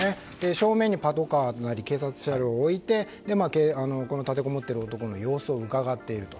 正面にパトカーなり警察車両を置いて立てこもっている男の様子をうかがっていると。